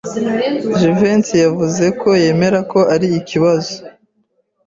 Jivency yavuze ko yemera ko ari ikibazo.